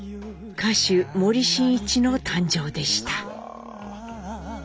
歌手森進一の誕生でした。